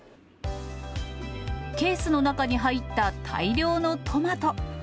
ケースの中に入った大量のトマト。